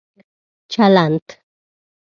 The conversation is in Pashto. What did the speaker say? چلند